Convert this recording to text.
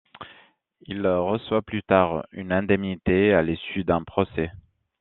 Il reçoit plus tard une indemnité, à l'issue d'un procès.